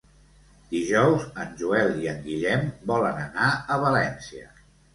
Dijous en Joel i en Guillem volen anar a València.